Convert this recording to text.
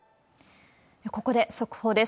ここで速報です。